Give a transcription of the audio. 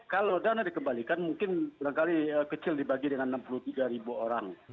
kalau dana dikembalikan mungkin barangkali kecil dibagi dengan enam puluh tiga ribu orang